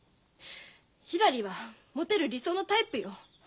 ひらりはもてる理想のタイプよ。